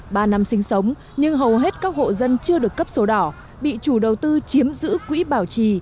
ba năm sinh sống nhưng hầu hết các hộ dân chưa được cấp số đỏ bị chủ đầu tư chiếm giữ quỹ bảo trì